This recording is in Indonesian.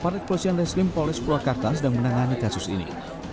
aparit polisian reslim polis purwakarta sedang menangani kasus ini